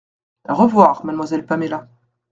À revoir, mademoiselle Paméla.